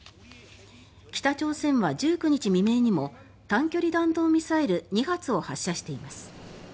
北朝鮮は１９日未明にも短距離弾道ミサイル２発を発射しています。